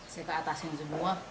saya keatasin semua